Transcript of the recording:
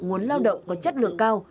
nguồn lao động có chất lượng cao